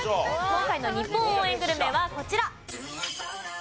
今回の日本応援グルメはこちら！